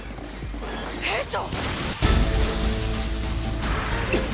兵長！